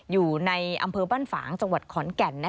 อยู่ในอำเภอบ้านฝางจังหวัดขอนแก่น